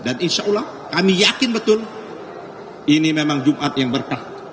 dan insya allah kami yakin betul ini memang jumat yang berkah